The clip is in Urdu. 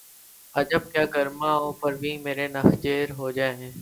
عجب کیا گر مہ و پرویں مرے نخچیر ہو جائیں